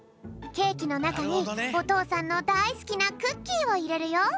ケーキのなかにおとうさんのだいすきなクッキーをいれるよ。